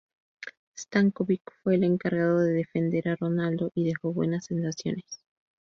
Stanković fue el encargado de defender a Ronaldo y dejó buenas sensaciones.